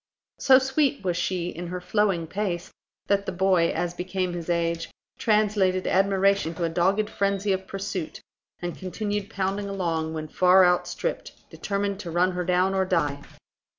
So sweet was she in her flowing pace, that the boy, as became his age, translated admiration into a dogged frenzy of pursuit, and continued pounding along, when far outstripped, determined to run her down or die.